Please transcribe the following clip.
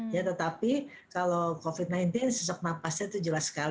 ya tetapi kalau covid sembilan belas sesak napasnya itu jelas sekali